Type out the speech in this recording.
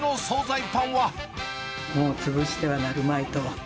もう潰してはなるまいと。